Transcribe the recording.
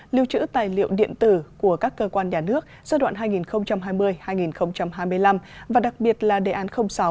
lưu trữ tài liệu điện tử của các cơ quan nhà nước giai đoạn hai nghìn hai mươi hai nghìn hai mươi năm và đặc biệt là đề án sáu